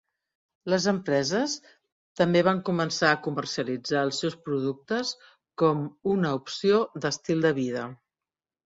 Les empreses també van començar a comercialitzar els seus productes com una opció d'estil de vida.